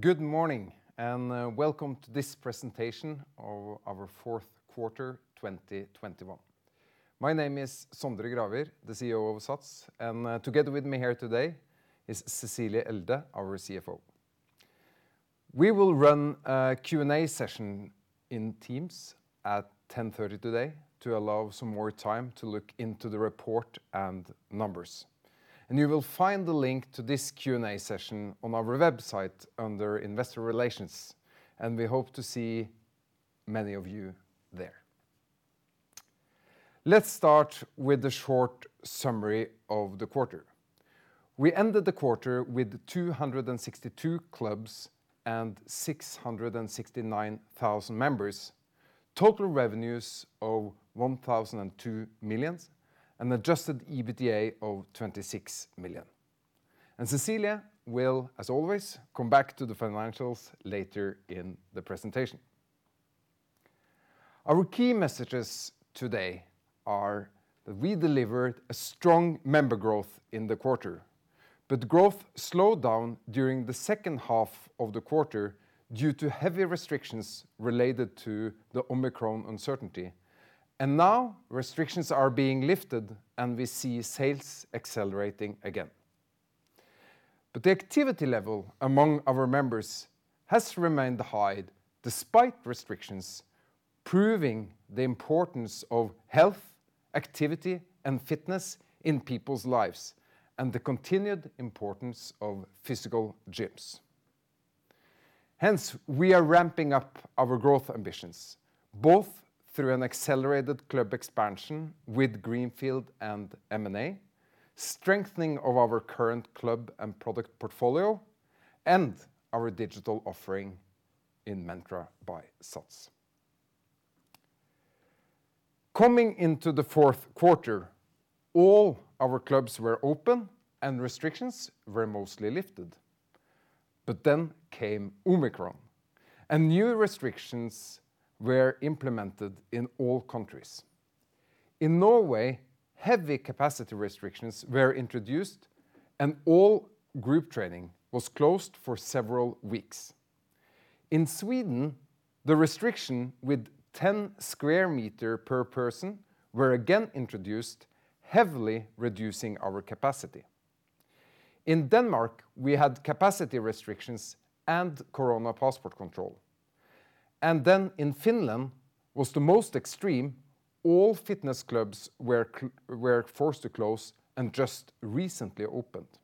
Good morning and welcome to this presentation of our fourth quarter 2021. My name is Sondre Gravir, the CEO of SATS. Together with me here today is Cecilie Elde, our CFO. We will run a Q&A session in Teams at 10:30 A.M. today to allow some more time to look into the report and numbers. You will find the link to this Q&A session on our website under Investor Relations, and we hope to see many of you there. Let's start with a short summary of the quarter. We ended the quarter with 262 clubs and 669,000 members. Total revenues of 1.002 million and adjusted EBITDA of 26 million. Cecilie will, as always, come back to the financials later in the presentation. Our key messages today are that we delivered a strong member growth in the quarter, but growth slowed down during the second half of the quarter due to heavy restrictions related to the Omicron uncertainty. Now restrictions are being lifted and we see sales accelerating again. The activity level among our members has remained high despite restrictions, proving the importance of health, activity, and fitness in people's lives, and the continued importance of physical gyms. Hence, we are ramping up our growth ambitions, both through an accelerated club expansion with greenfield and M&A, strengthening of our current club and product portfolio, and our digital offering in Mentra by SATS. Coming into the fourth quarter, all our clubs were open and restrictions were mostly lifted. Then came Omicron, and new restrictions were implemented in all countries. In Norway, heavy capacity restrictions were introduced and all group training was closed for several weeks. In Sweden, the restriction with 10 sq m per person were again introduced, heavily reducing our capacity. In Denmark, we had capacity restrictions and COVID passport control. In Finland was the most extreme, all fitness clubs were forced to close and just recently opened.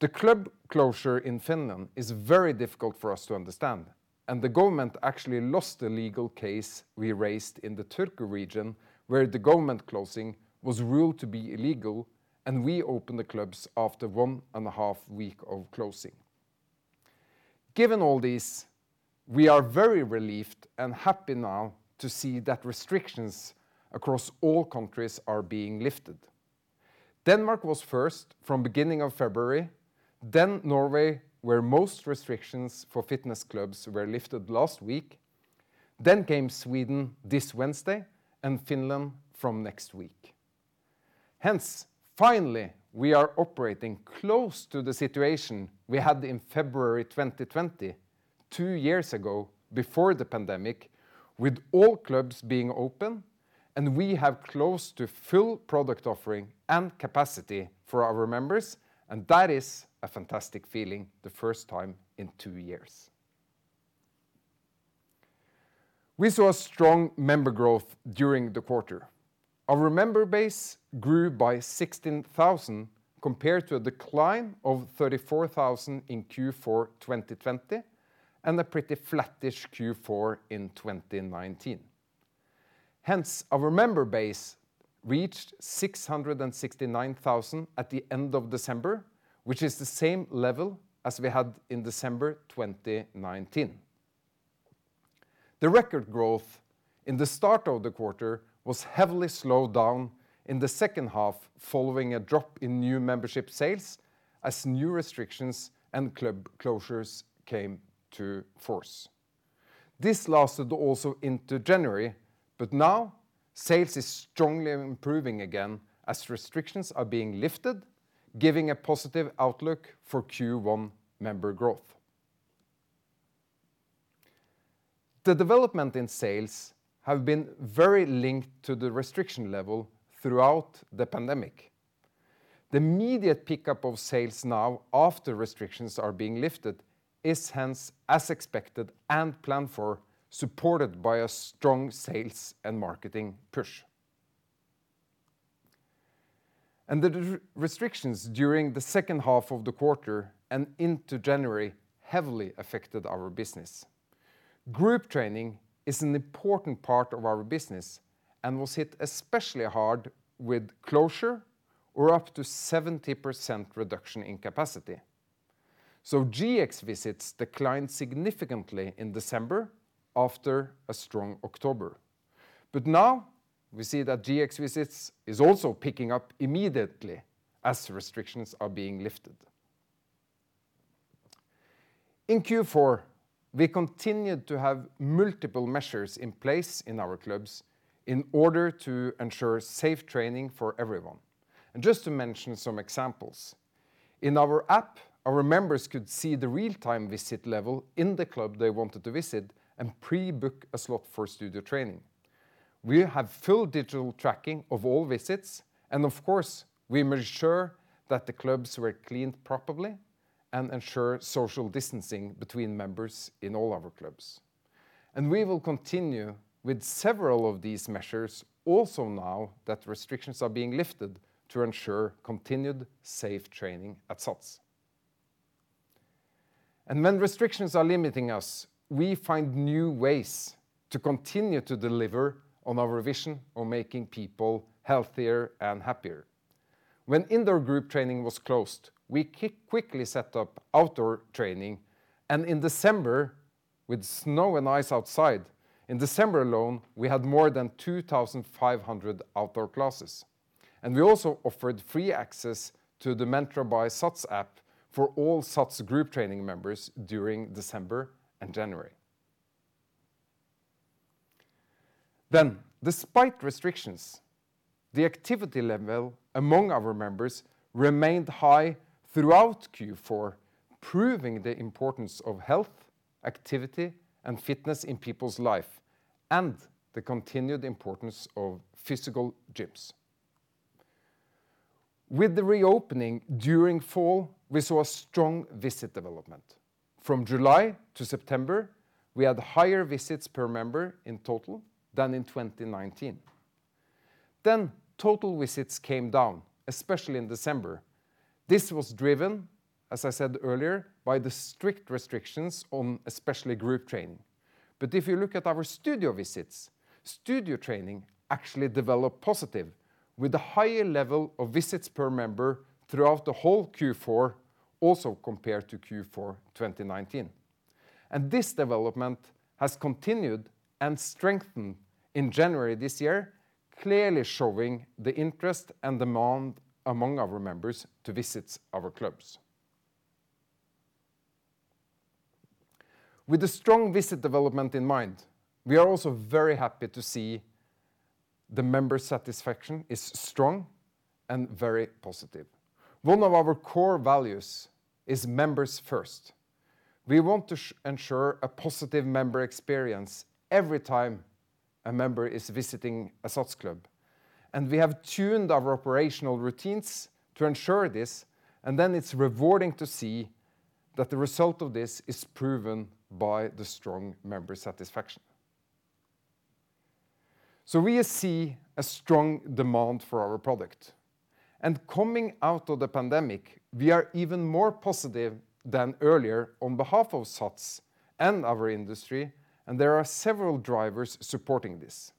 The club closure in Finland is very difficult for us to understand, and the government actually lost the legal case we raised in the Turku region, where the government closing was ruled to be illegal, and we opened the clubs after one and a half week of closing. Given all this, we are very relieved and happy now to see that restrictions across all countries are being lifted. Denmark was first from beginning of February, then Norway, where most restrictions for fitness clubs were lifted last week, then came Sweden this Wednesday, and Finland from next week. Hence, finally, we are operating close to the situation we had in February 2020, two years ago, before the pandemic, with all clubs being open and we have close to full product offering and capacity for our members. That is a fantastic feeling the first time in two years. We saw a strong member growth during the quarter. Our member base grew by 16,000 compared to a decline of 34,000 in Q4 2020 and a pretty flattish Q4 in 2019. Hence, our member base reached 669,000 at the end of December, which is the same level as we had in December 2019. The record growth in the start of the quarter was heavily slowed down in the second half following a drop in new membership sales as new restrictions and club closures came into force. This lasted also into January, but now sales is strongly improving again as restrictions are being lifted, giving a positive outlook for Q1 member growth. The development in sales have been very linked to the restriction level throughout the pandemic. The immediate pickup of sales now after restrictions are being lifted is hence as expected and planned for, supported by a strong sales and marketing push. The restrictions during the second half of the quarter and into January heavily affected our business. Group training is an important part of our business and was hit especially hard with closure or up to 70% reduction in capacity. GX visits declined significantly in December after a strong October. Now we see that GX visits is also picking up immediately as restrictions are being lifted. In Q4, we continued to have multiple measures in place in our clubs in order to ensure safe training for everyone. Just to mention some examples, in our app, our members could see the real-time visit level in the club they wanted to visit and pre-book a slot for studio training. We have full digital tracking of all visits, and of course, we made sure that the clubs were cleaned properly and ensure social distancing between members in all our clubs. We will continue with several of these measures also now that restrictions are being lifted to ensure continued safe training at SATS. When restrictions are limiting us, we find new ways to continue to deliver on our vision of making people healthier and happier. When indoor group training was closed, we quickly set up outdoor training, and in December, with snow and ice outside, in December alone, we had more than 2,500 outdoor classes. We also offered free access to the Mentra by SATS app for all SATS group training members during December and January. Despite restrictions, the activity level among our members remained high throughout Q4, proving the importance of health, activity, and fitness in people's life and the continued importance of physical gyms. With the reopening during fall, we saw a strong visit development. From July to September, we had higher visits per member in total than in 2019. Total visits came down, especially in December. This was driven, as I said earlier, by the strict restrictions on especially group training. If you look at our studio visits, studio training actually developed positive with a higher level of visits per member throughout the whole Q4, also compared to Q4 2019. This development has continued and strengthened in January this year, clearly showing the interest and demand among our members to visit our clubs. With the strong visit development in mind, we are also very happy to see the member satisfaction is strong and very positive. One of our core values is members first. We want to ensure a positive member experience every time a member is visiting a SATS club, and we have tuned our operational routines to ensure this, and then it's rewarding to see that the result of this is proven by the strong member satisfaction. We see a strong demand for our product, and coming out of the pandemic, we are even more positive than earlier on behalf of SATS and our industry, and there are several drivers supporting this.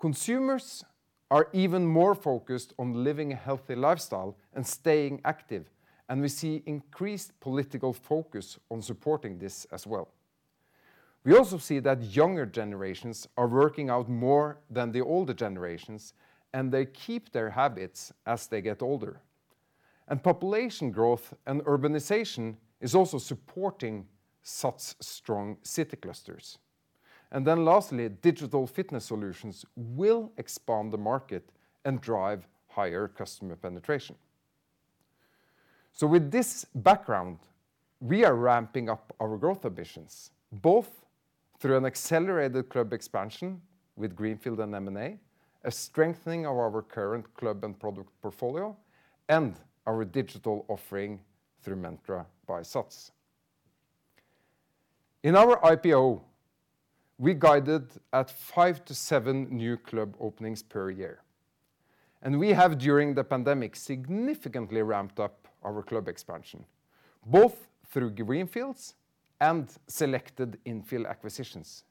Consumers are even more focused on living a healthy lifestyle and staying active, and we see increased political focus on supporting this as well. We also see that younger generations are working out more than the older generations, and they keep their habits as they get older. Population growth and urbanization is also supporting SATS strong city clusters. Then lastly, digital fitness solutions will expand the market and drive higher customer penetration. With this background, we are ramping up our growth ambitions, both through an accelerated club expansion with Greenfield and M&A, a strengthening of our current club and product portfolio, and our digital offering through Mentra by SATS. In our IPO, we guided at five to seven new club openings per year, and we have during the pandemic significantly ramped up our club expansion, both through Greenfield and selected infill acquisitions.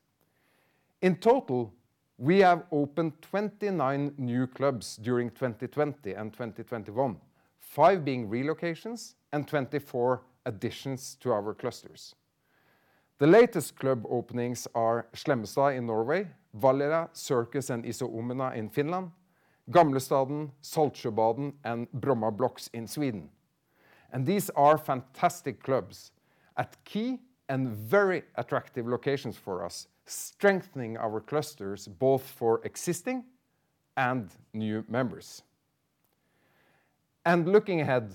In total, we have opened 29 new clubs during 2020 and 2021, five being relocations and 24 additions to our clusters. The latest club openings are Slemmestad in Norway, Vallila, Circus and Iso Omena in Finland, Gamlestaden, Saltsjöbaden, and Bromma Blocks in Sweden. These are fantastic clubs at key and very attractive locations for us, strengthening our clusters both for existing and new members. Looking ahead,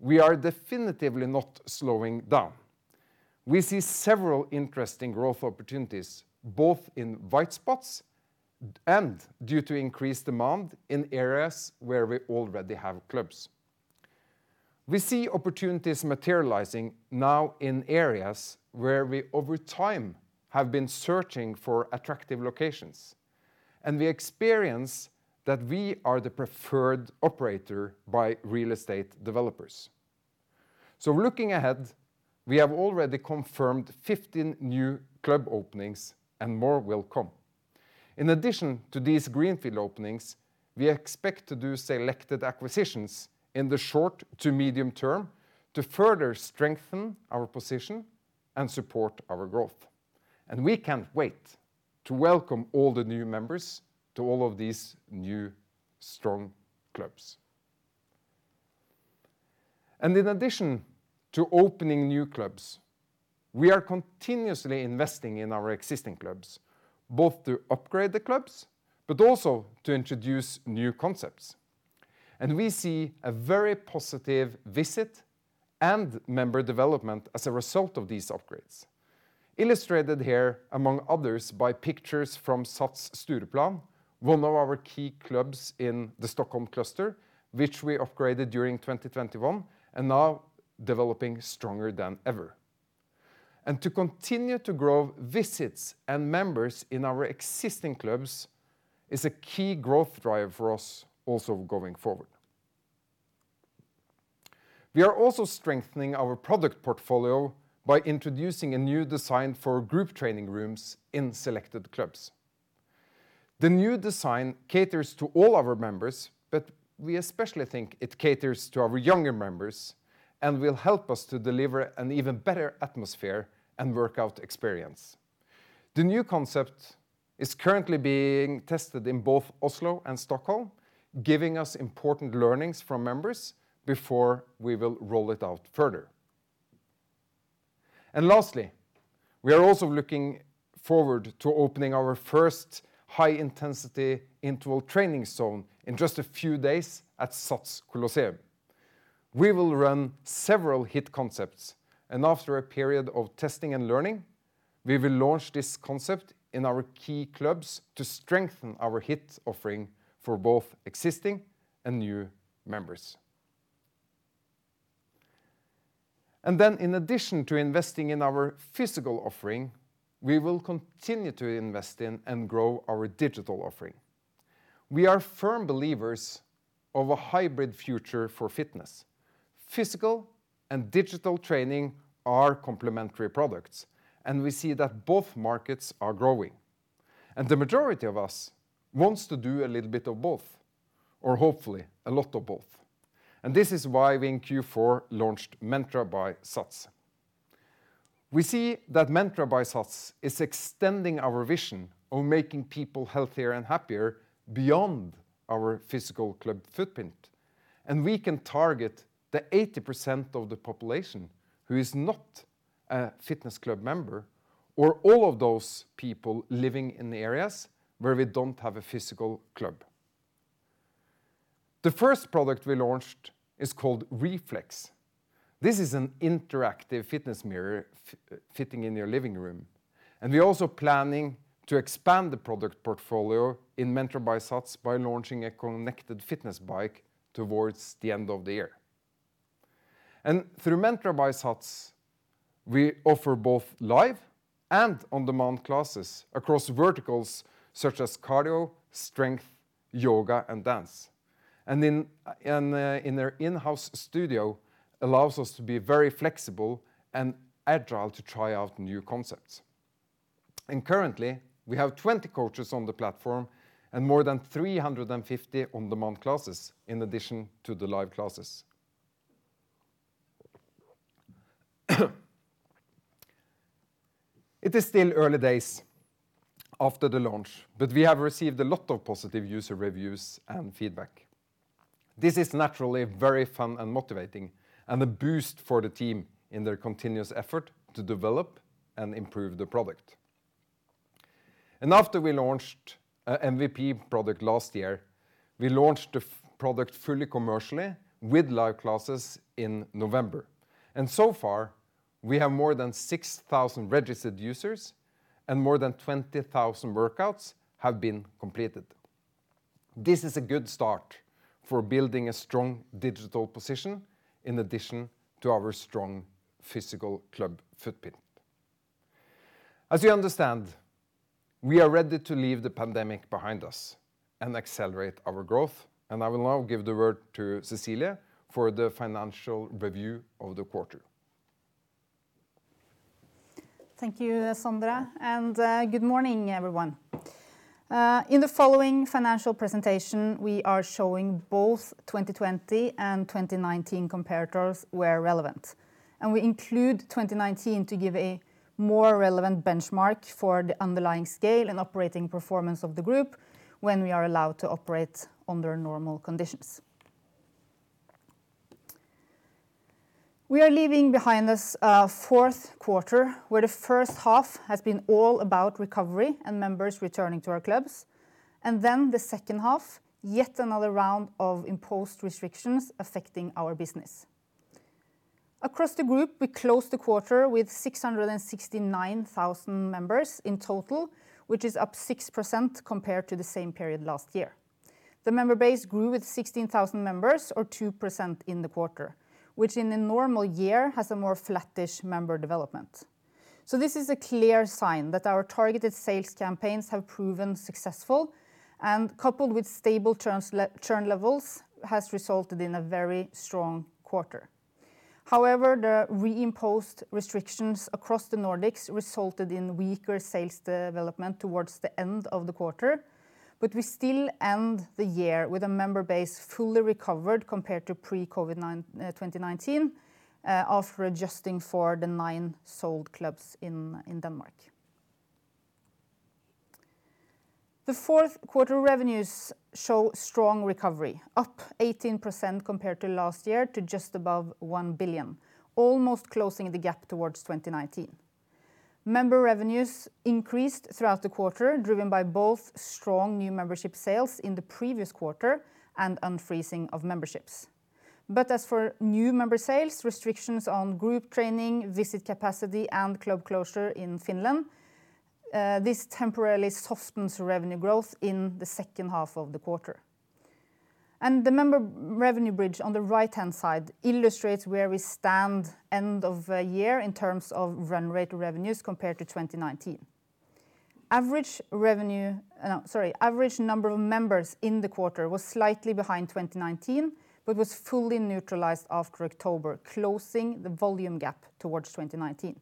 we are definitively not slowing down. We see several interesting growth opportunities, both in white spots and due to increased demand in areas where we already have clubs. We see opportunities materializing now in areas where we over time have been searching for attractive locations, and we experience that we are the preferred operator by real estate developers. Looking ahead, we have already confirmed 15 new club openings and more will come. In addition to these Greenfield openings, we expect to do selected acquisitions in the short to medium-term to further strengthen our position and support our growth. We can't wait to welcome all the new members to all of these new strong clubs. In addition to opening new clubs, we are continuously investing in our existing clubs, both to upgrade the clubs, but also to introduce new concepts. We see a very positive visit and member development as a result of these upgrades. Illustrated here, among others, by pictures from SATS Stureplan, one of our key clubs in the Stockholm cluster, which we upgraded during 2021 and now developing stronger than ever. To continue to grow visits and members in our existing clubs is a key growth driver for us also going forward. We are also strengthening our product portfolio by introducing a new design for group training rooms in selected clubs. The new design caters to all our members, but we especially think it caters to our younger members and will help us to deliver an even better atmosphere and workout experience. The new concept is currently being tested in both Oslo and Stockholm, giving us important learnings from members before we will roll it out further. Lastly, we are also looking forward to opening our first high-intensity interval training zone in just a few days at SATS Colosseum. We will run several HIIT concepts, and after a period of testing and learning, we will launch this concept in our key clubs to strengthen our HIIT offering for both existing and new members. Then in addition to investing in our physical offering, we will continue to invest in and grow our digital offering. We are firm believers of a hybrid future for fitness. Physical and digital training are complementary products, and we see that both markets are growing. The majority of us wants to do a little bit of both, or hopefully a lot of both. This is why we in Q4 launched Mentra by SATS. We see that Mentra by SATS is extending our vision of making people healthier and happier beyond our physical club footprint. We can target the 80% of the population who is not a fitness club member or all of those people living in the areas where we don't have a physical club. The first product we launched is called Rflex. This is an interactive fitness mirror fitting in your living room. We're also planning to expand the product portfolio in Mentra by SATS by launching a connected fitness bike towards the end of the year. Through Mentra by SATS, we offer both live and on-demand classes across verticals such as cardio, strength, yoga, and dance. In their in-house studio allows us to be very flexible and agile to try out new concepts. Currently, we have 20 coaches on the platform and more than 350 on-demand classes in addition to the live classes. It is still early days after the launch, but we have received a lot of positive user reviews and feedback. This is naturally very fun and motivating, and a boost for the team in their continuous effort to develop and improve the product. After we launched a MVP product last year, we launched the product fully commercially with live classes in November. So far, we have more than 6,000 registered users and more than 20,000 workouts have been completed. This is a good start for building a strong digital position in addition to our strong physical club footprint. As you understand, we are ready to leave the pandemic behind us and accelerate our growth, and I will now give the word to Cecilie for the financial review of the quarter. Thank you, Sondre, and good morning, everyone. In the following financial presentation, we are showing both 2020 and 2019 comparators where relevant. We include 2019 to give a more relevant benchmark for the underlying scale and operating performance of the group when we are allowed to operate under normal conditions. We are leaving behind this fourth quarter, where the first half has been all about recovery and members returning to our clubs, and then the second half, yet another round of imposed restrictions affecting our business. Across the group, we closed the quarter with 669,000 members in total, which is up 6% compared to the same period last year. The member base grew with 16,000 members or 2% in the quarter, which in a normal year has a more flattish member development. This is a clear sign that our targeted sales campaigns have proven successful and, coupled with stable churn levels, has resulted in a very strong quarter. However, the reimposed restrictions across the Nordics resulted in weaker sales development towards the end of the quarter, but we still end the year with a member base fully recovered compared to pre-COVID 2019, after adjusting for the nine sold clubs in Denmark. The fourth quarter revenues show strong recovery, up 18% compared to last year to just above 1 billion, almost closing the gap towards 2019. Member revenues increased throughout the quarter, driven by both strong new membership sales in the previous quarter and unfreezing of memberships. As for new member sales, restrictions on group training, visit capacity, and club closure in Finland, this temporarily softens revenue growth in the second half of the quarter. The member revenue bridge on the right-hand side illustrates where we stand end of year in terms of run rate revenues compared to 2019. Average number of members in the quarter was slightly behind 2019, but was fully neutralized after October, closing the volume gap towards 2019.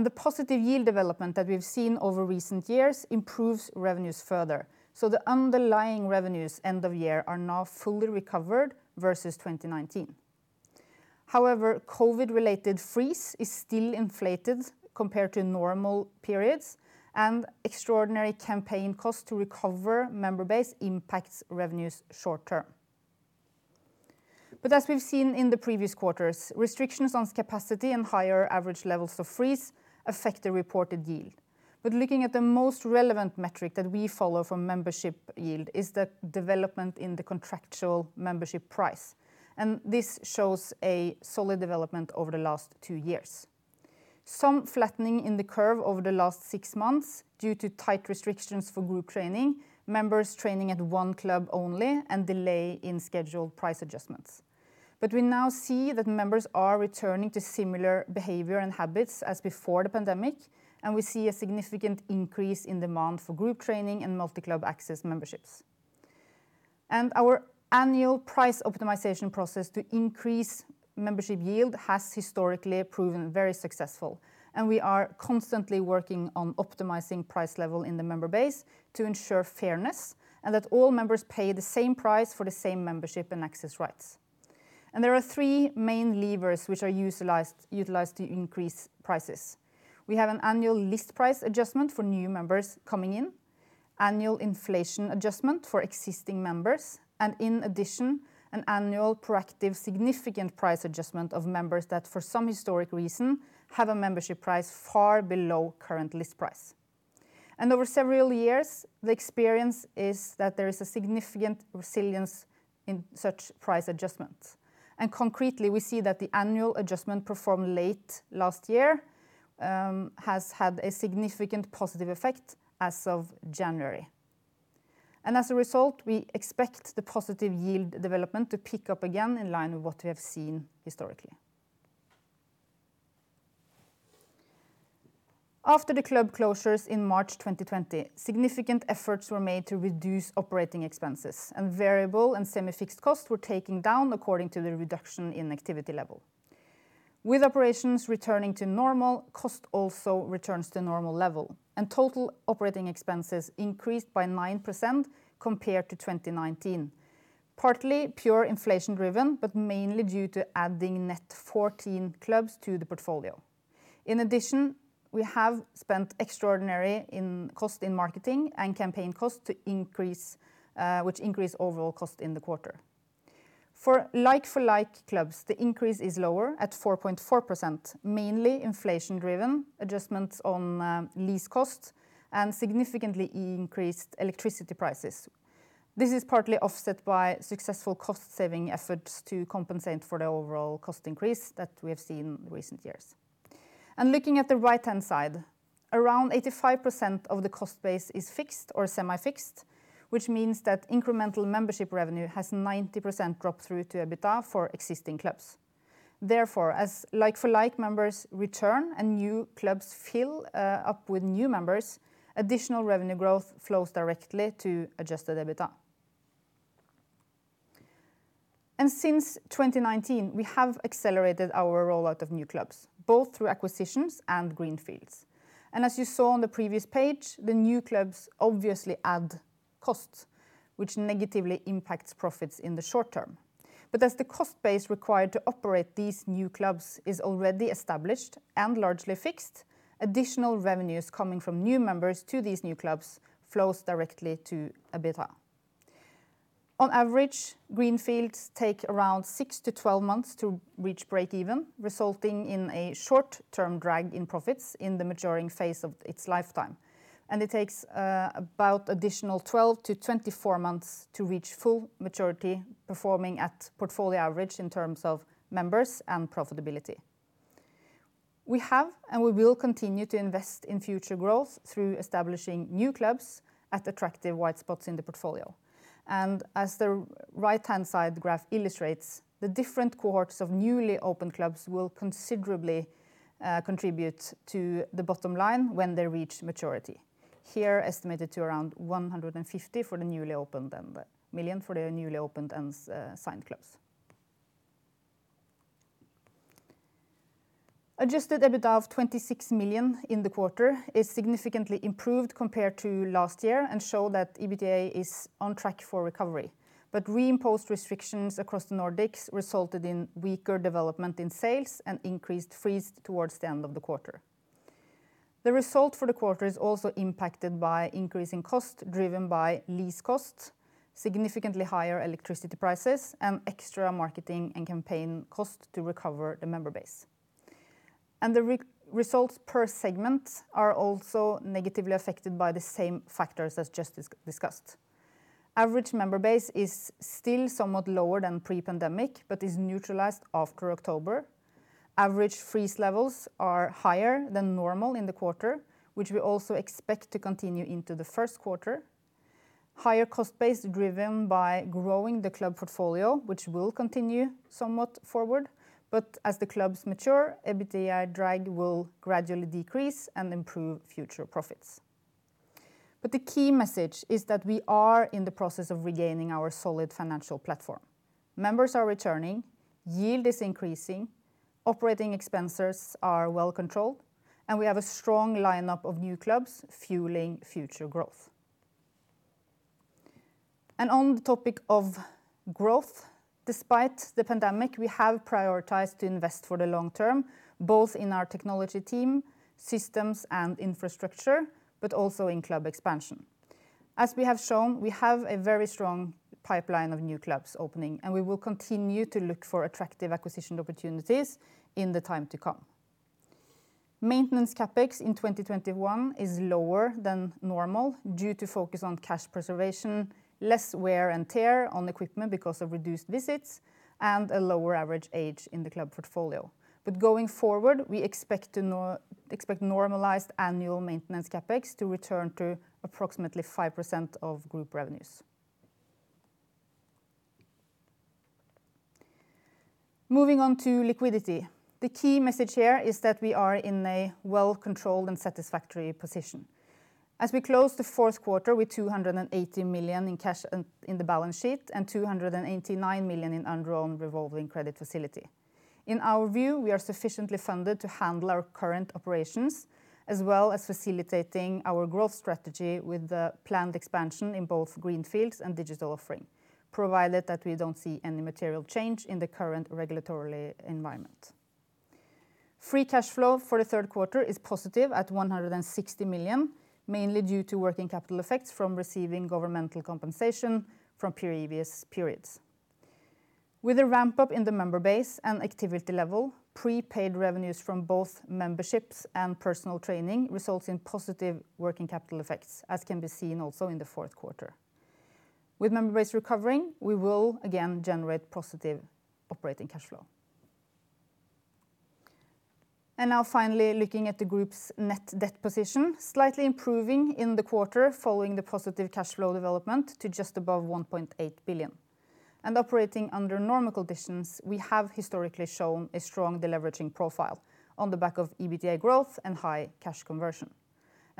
The positive yield development that we've seen over recent years improves revenues further. The underlying revenues end of year are now fully recovered versus 2019. However, COVID-related freeze is still inflated compared to normal periods, and extraordinary campaign costs to recover member base impacts revenues short-term. As we've seen in the previous quarters, restrictions on capacity and higher average levels of freeze affect the reported yield. Looking at the most relevant metric that we follow from membership yield is the development in the contractual membership price, and this shows a solid development over the last two years. Some flattening in the curve over the last six months due to tight restrictions for group training, members training at one club only, and delay in scheduled price adjustments. We now see that members are returning to similar behavior and habits as before the pandemic, and we see a significant increase in demand for group training and multi-club access memberships. Our annual price optimization process to increase membership yield has historically proven very successful, and we are constantly working on optimizing price level in the member base to ensure fairness and that all members pay the same price for the same membership and access rights. There are three main levers which are utilized to increase prices. We have an annual list price adjustment for new members coming in, annual inflation adjustment for existing members, and in addition, an annual proactive significant price adjustment of members that for some historic reason, have a membership price far below current list price. Over several years, the experience is that there is a significant resilience in such price adjustments. Concretely, we see that the annual adjustment performed late last year has had a significant positive effect as of January. As a result, we expect the positive yield development to pick up again in line with what we have seen historically. After the club closures in March 2020, significant efforts were made to reduce operating expenses, and variable and semi-fixed costs were taken down according to the reduction in activity level. With operations returning to normal, cost also returns to normal level, and total operating expenses increased by 9% compared to 2019, partly pure inflation-driven, but mainly due to adding net 14 clubs to the portfolio. In addition, we have spent extraordinary in cost in marketing and campaign cost to increase, which increase overall cost in the quarter. For like-for-like clubs, the increase is lower at 4.4%, mainly inflation-driven, adjustments on, lease cost, and significantly increased electricity prices. This is partly offset by successful cost-saving efforts to compensate for the overall cost increase that we have seen in recent years. Looking at the right-hand side, around 85% of the cost base is fixed or semi-fixed, which means that incremental membership revenue has 90% drop through to EBITDA for existing clubs. Therefore, as like-for-like members return and new clubs fill up with new members, additional revenue growth flows directly to adjusted EBITDA. Since 2019, we have accelerated our rollout of new clubs, both through acquisitions and Greenfields. As you saw on the previous page, the new clubs obviously add cost, which negatively impacts profits in the short-term. As the cost base required to operate these new clubs is already established and largely fixed, additional revenues coming from new members to these new clubs flows directly to EBITDA. On average, greenfields take around six-12 months to reach breakeven, resulting in a short-term drag in profits in the maturing phase of its lifetime. It takes an additional 12-24 months to reach full maturity, performing at portfolio average in terms of members and profitability. We have, and we will continue to invest in future growth through establishing new clubs at attractive white spots in the portfolio. As the right-hand side graph illustrates, the different cohorts of newly opened clubs will considerably contribute to the bottom line when they reach maturity, here estimated to around 150 for the newly opened and 1 million for the newly opened and signed clubs. Adjusted EBITDA of 26 million in the quarter is significantly improved compared to last year and show that EBITDA is on track for recovery. Reimposed restrictions across the Nordics resulted in weaker development in sales and increased freeze towards the end of the quarter. The result for the quarter is also impacted by increasing cost driven by lease costs, significantly higher electricity prices, and extra marketing and campaign cost to recover the member base. The results per segment are also negatively affected by the same factors as just discussed. Average member base is still somewhat lower than pre-pandemic, but is neutralized after October. Average freeze levels are higher than normal in the quarter, which we also expect to continue into the first quarter. Higher cost base driven by growing the club portfolio, which will continue somewhat forward. As the clubs mature, EBITDA drag will gradually decrease and improve future profits. The key message is that we are in the process of regaining our solid financial platform. Members are returning, yield is increasing, operating expenses are well controlled, and we have a strong lineup of new clubs fueling future growth. On the topic of growth, despite the pandemic, we have prioritized to invest for the long-term, both in our technology team, systems and infrastructure, but also in club expansion. As we have shown, we have a very strong pipeline of new clubs opening, and we will continue to look for attractive acquisition opportunities in the time to come. Maintenance CapEx in 2021 is lower than normal due to focus on cash preservation, less wear and tear on equipment because of reduced visits, and a lower average age in the club portfolio. Going forward, we expect normalized annual maintenance CapEx to return to approximately 5% of group revenues. Moving on to liquidity. The key message here is that we are in a well-controlled and satisfactory position. As we close the fourth quarter with 280 million in cash in the balance sheet and 289 million in undrawn revolving credit facility. In our view, we are sufficiently funded to handle our current operations, as well as facilitating our growth strategy with the planned expansion in both greenfields and digital offering, provided that we don't see any material change in the current regulatory environment. Free cash flow for the third quarter is positive at 160 million, mainly due to working capital effects from receiving governmental compensation from previous periods. With a ramp-up in the member base and activity level, prepaid revenues from both memberships and personal training results in positive working capital effects, as can be seen also in the fourth quarter. With member base recovering, we will again generate positive operating cash flow. Now finally, looking at the group's net debt position, slightly improving in the quarter following the positive cash flow development to just above 1.8 billion. Operating under normal conditions, we have historically shown a strong deleveraging profile on the back of EBITDA growth and high cash conversion.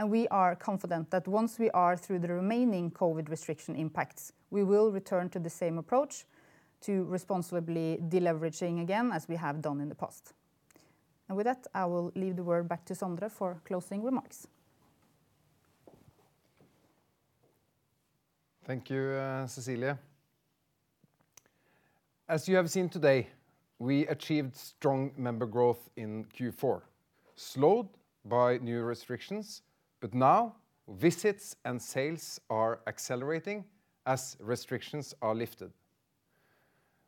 We are confident that once we are through the remaining COVID restriction impacts, we will return to the same approach to responsibly deleveraging again, as we have done in the past. With that, I will hand the word back to Sondre for closing remarks. Thank you, Cecilie. As you have seen today, we achieved strong member growth in Q4, slowed by new restrictions, but now visits and sales are accelerating as restrictions are lifted.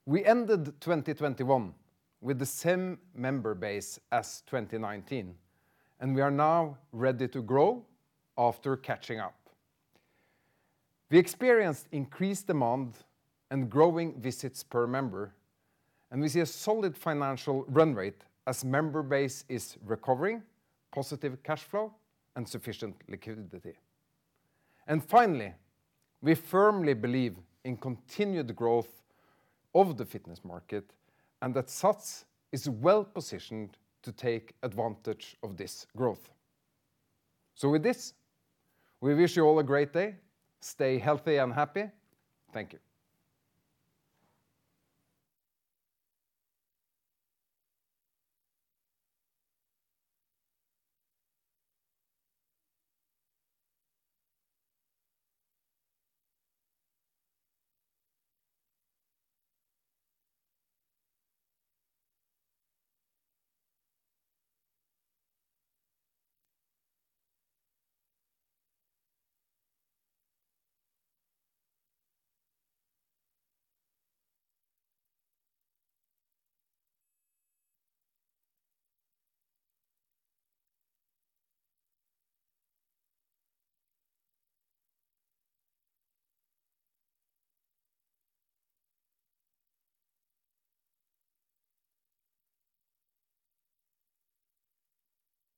We ended 2021 with the same member base as 2019, and we are now ready to grow after catching up. We experienced increased demand and growing visits per member, and we see a solid financial run rate as member base is recovering, positive cash flow and sufficient liquidity. Finally, we firmly believe in continued growth of the fitness market and that SATS is well-positioned to take advantage of this growth. With this, we wish you all a great day. Stay healthy and happy. Thank you.